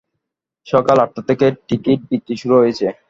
সকাল আটটা থেকে টিকিট বিক্রি শুরু হয়েছে।